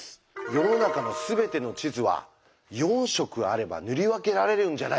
世の中のすべての地図は４色あれば塗り分けられるんじゃないか。